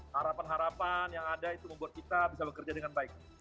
harapan harapan yang ada itu membuat kita bisa bekerja dengan baik